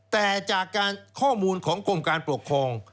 แต่จากการข้อมูลของกรมการปกครอง